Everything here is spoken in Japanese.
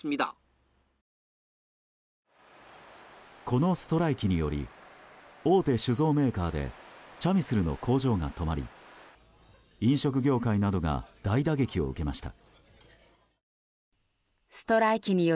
このストライキにより大手酒造メーカーでチャミスルの工場が止まり飲食業界などが大打撃を受けました。